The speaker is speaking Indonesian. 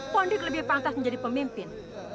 pondic lebih pantas menjadi pemimpin